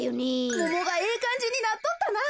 モモがええかんじになっとったなあ。